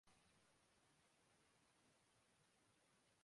نیشا پور سے وزیر سلاجقہ نظام الملک طوسی کے دربار میں پہنچے